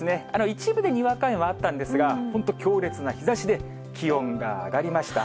一部でにわか雨もあったんですが、本当、強烈な日ざしで気温が上がりました。